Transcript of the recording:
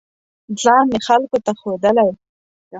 ځان مې خلکو ته ښودلی